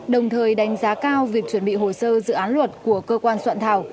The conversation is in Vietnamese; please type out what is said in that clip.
đồng thời đánh giá cao việc chuẩn bị hồ sơ dự án luật của cơ quan soạn thảo